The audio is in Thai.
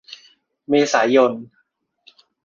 เมษายน